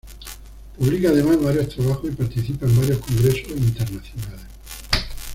Publica además varios trabajos y participa en varios congresos internacionales.